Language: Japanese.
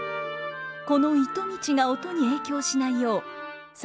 この糸道が音に影響しないよう棹